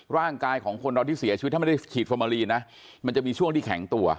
ร่างกายของคนเราที่เสียชีวิตถ้าไม่ได้ฉีดฟอร์มาลีนนะมันจะมีช่วงที่แข็งตัว